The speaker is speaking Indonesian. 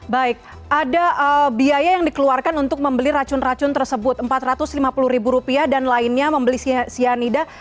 baik ada biaya yang dikeluarkan untuk membeli racun racun tersebut rp empat ratus lima puluh ribu rupiah dan lainnya membeli cyanida